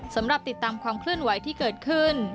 สำหรับติดตามความเคลื่อนไหวที่เกิดขึ้น